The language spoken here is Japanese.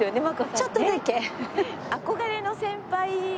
ちょっとだけ。